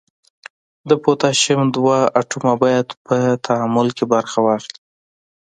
د پوتاشیم دوه اتومه باید په تعامل کې برخه واخلي.